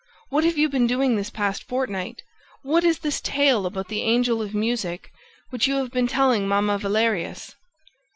... What have you been doing this past fortnight? ... What is this tale about the Angel of Music, which you have been telling Mamma Valerius?